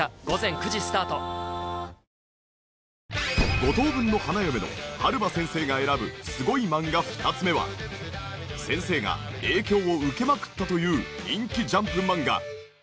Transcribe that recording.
『五等分の花嫁』の春場先生が選ぶすごい漫画２つ目は先生が影響を受けまくったという人気ジャンプ漫画。